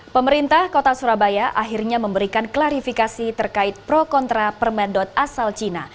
pemerintah kota surabaya akhirnya memberikan klarifikasi terkait pro kontra permen asal cina